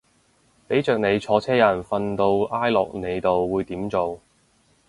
俾着你坐車有人瞓到挨落你度會點做